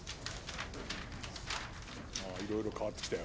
いろいろ変わってきたよ。